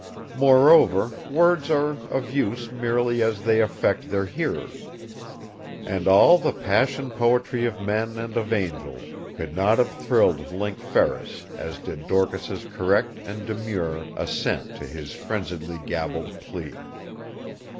Moreover, words are of use, merely as they affect their hearers. And all the passion poetry of men and of angels could not have thrilled Link Ferris as did Dorcas's correct and demure assent to his frenziedly gabbled plea.